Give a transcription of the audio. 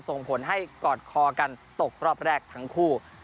ส่งผลให้กอดคอกันตกรอบแรกทั้งคู่